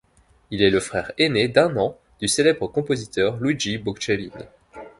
Il est le frère aîné d'un an, du célèbre compositeur Luigi Boccherini.